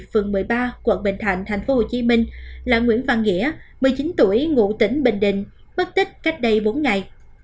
phường một mươi ba quận bình thạnh tp hcm là nguyễn văn nghĩa một mươi chín tuổi ngụ tỉnh bình định mất tích cách đây bốn ngày